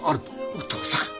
お父さん！